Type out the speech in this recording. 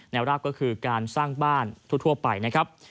รากก็คือการสร้างบ้านทั่วไปนะครับ